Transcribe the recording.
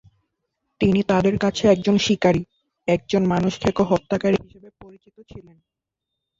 তিনি তাদের কাছে একজন শিকারি, একজন মানুষখেকো হত্যাকারী হিসেবে পরিচিত ছিলেন।